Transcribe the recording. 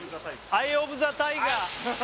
「アイ・オブ・ザ・タイガー」